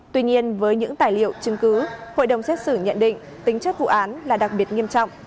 tuy nhiên với những tài liệu chứng cứ hội đồng xét xử nhận định tính chất vụ án là đặc biệt nghiêm trọng